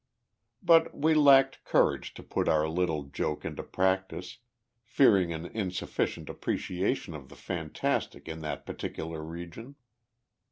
'" But we lacked courage to put our little joke into practice, fearing an insufficient appreciation of the fantastic in that particular region.